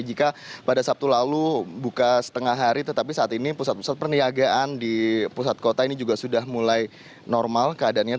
jika pada sabtu lalu buka setengah hari tetapi saat ini pusat pusat perniagaan di pusat kota ini juga sudah mulai normal keadaannya